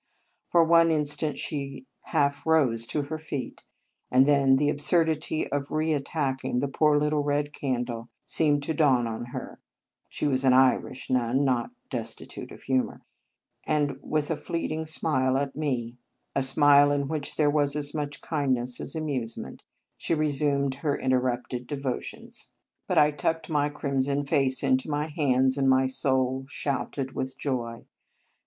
For an instant she half rose to her feet; and then the absurdity of re attacking the poor little red candle seemed to dawn on her (she was an Irish nun, not des titute of humour), and with a fleet ing smile at me, a smile in which there was as much kindness as amuse ment, she resumed her interrupted devotions. But I tucked my crimson face into my hands, and my soul shouted with joy.